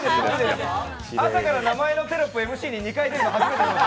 朝から名前のテロップ、ＭＣが２回出るの初めて。